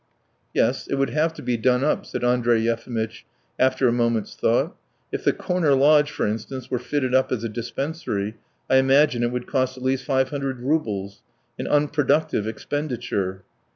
"Yes, it would have to be done up," said Andrey Yefimitch after a moment's thought. "If the corner lodge, for instance, were fitted up as a dispensary, I imagine it would cost at least five hundred roubles. An unproductive expenditure!"